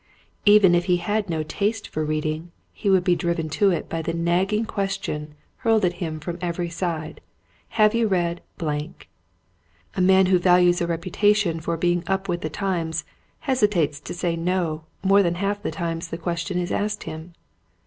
Even if he had no taste for reading he would be driven to it by the nagging question hurled at him from every side, "Have you read .?" A man who values a reputation for being up with the times hesitates to say "No" more than half the times the question is asked him.